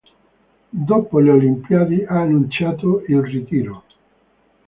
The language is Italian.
Dopo le Olimpiadi, ha annunciato il ritiro.